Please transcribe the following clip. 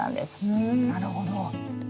うんなるほど。